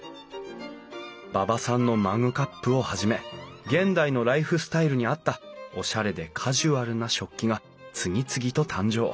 馬場さんのマグカップをはじめ現代のライフスタイルに合ったおしゃれでカジュアルな食器が次々と誕生。